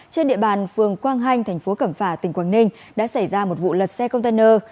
trên địa bàn phường quang hanh thành phố cẩm phả tỉnh quảng ninh đã xảy ra một vụ lật xe container